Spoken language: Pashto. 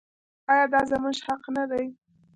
آیا دا زموږ حق نه دی؟